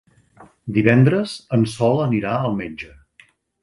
Divendres en Sol anirà al metge.